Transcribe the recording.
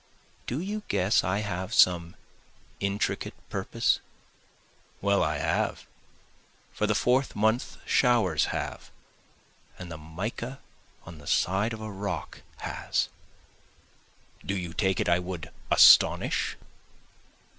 Do you guess I have some intricate purpose? Well I have, for the Fourth month showers have, and the mica on the side of a rock has. Do you take it I would astonish?